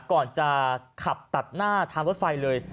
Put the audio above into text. ก่อนจะขับตัดหน้าทางรถไฟเลย